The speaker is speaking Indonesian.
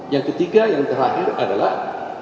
yang ketiga yang terakhir adalah